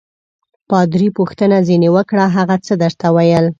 پادري پوښتنه ځینې وکړه: هغه څه درته ویل؟